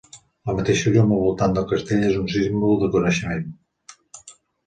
La mateixa llum al voltant del castell és un símbol del coneixement.